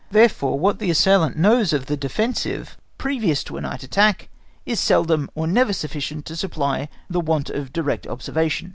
Therefore what the assailant knows of the defensive previous to a night attack, is seldom or never sufficient to supply the want of direct observation.